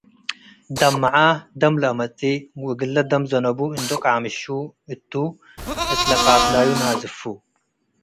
ትደም'ዐ ደም ለአመጽ'እ፡ ወእግል ለደም ዘነቡ እንዶ ቀምሸ እቱ' እት ለቃትላዩ ናዝፉ።